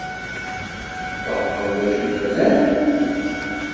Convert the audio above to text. Tfehmeḍ d acu i d-nnan?